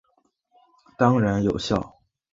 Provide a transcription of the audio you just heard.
当然有效！